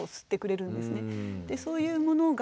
そういうものが。